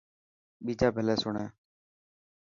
ٻيجا ڀلي سڻي.